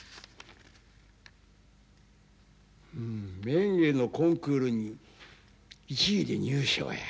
うんメンゲルのコンクールに１位で入賞や。